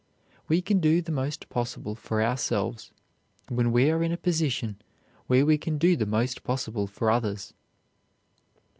We can do the most possible for ourselves when we are in a position where we can do the most possible for others.